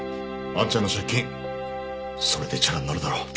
あんちゃんの借金それでチャラになるだろ。